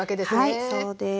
はいそうです。